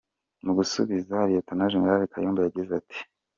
Mu gusubiza Lt Gen Kayumba yagize ati: